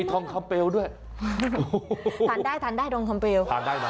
มีทองคัมเปลด้วยทานได้ทานได้ทองคัมเปล